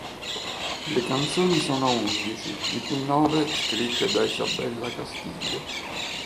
Le canzoni sono undici, di cui nove scritte da Isabella Castillo.